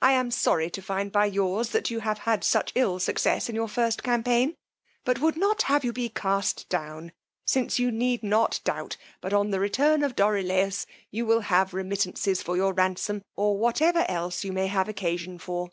I am sorry to find by yours that you have had such ill success in your first campaign; but would not have you be cast down, since you need not doubt but on the return of Dorilaus you will have remittances for your ransom, or whatever else you may have occasion for.'